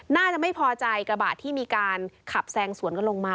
น่าจะไม่พอใจกระบะที่มีการขับแซงสวนกันลงมา